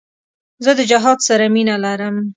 زه د جهاد سره مینه لرم.